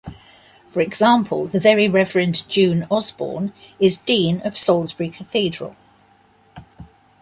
For example, the Very Reverend June Osborne is Dean of Salisbury Cathedral.